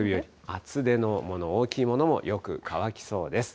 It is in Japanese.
厚手のもの、大きいものもよく乾きそうです。